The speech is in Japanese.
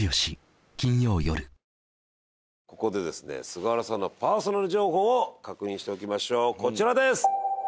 菅原さんのパーソナル情報を確認しておきましょうこちらです